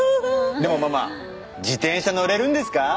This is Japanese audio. でもママ自転車乗れるんですか？